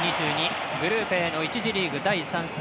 グループＡの１次リーグ第３戦。